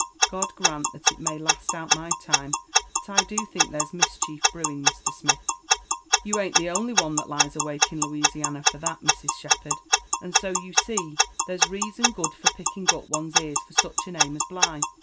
God grant that it may last out my time! but I do think there's mischief brewing, Mr. Smith." «You an't the only one that lies awake in Louisiaoa for that, Mrs. Shepherd. And so, you see, there's reason good for picking up one's ears for such a name as Bligh.